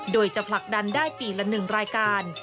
โดยจะผลักดันได้ปีละ๑รายการ